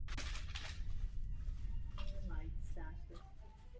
Ta zde zřídila dětský trestný pracovní tábor.